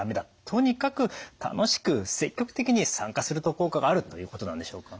とにかく楽しく積極的に参加すると効果があるということなんでしょうか？